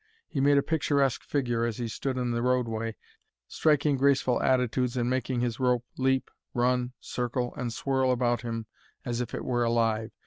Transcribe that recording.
He made a picturesque figure as he stood in the roadway, striking graceful attitudes and making his rope leap, run, circle, and swirl about him as if it were alive.